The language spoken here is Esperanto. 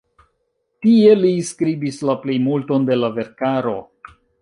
Tie li skribis la plejmulton de la verkaro.